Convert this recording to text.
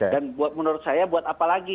dan menurut saya buat apa lagi